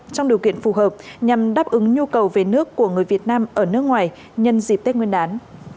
trong điều kiện phù hợp nhằm đáp ứng nhu cầu về nước của người việt nam ở nước ngoài nhân dịp tết nguyên đán